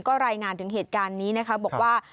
ก็รายงานถึงเหตุการณ์นี้นะคะบอกว่า